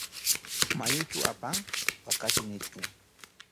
¿Mayuchu apan?, ¿qaqachu ñitin?